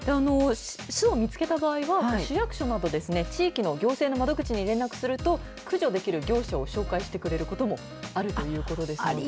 すをみつけた場合は、市役所など地域の行政の窓口に連絡すると、駆除できる業者を紹介してくれることもあるということですので。